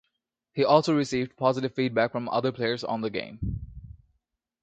He also received positive feedback from other players on the game.